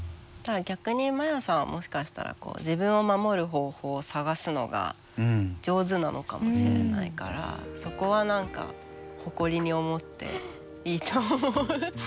だから逆にマヤさんはもしかしたら自分を守る方法を探すのが上手なのかもしれないからそこは何か誇りに思っていいと思う。